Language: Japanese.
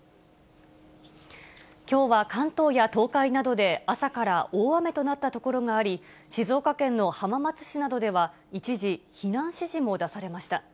きょうは、関東や東海などで朝から大雨となった所があり、静岡県の浜松市などでは、一時、避難指示も出されました。